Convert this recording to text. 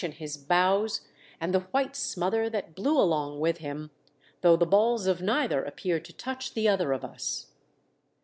25 In his bows and the white smother that blew along with him, though the balls of neither appeared to touch the other of us.